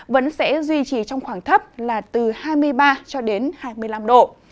vẫn sẽ duy trì trong khoảng thấp là từ hai mươi ba cho đến hai mươi năm độ